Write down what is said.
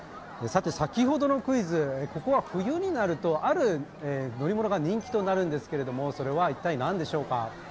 先ほどのクイズ、ここは冬になるとある乗り物が人気となるんですけれどもそれは一体何でしょうか。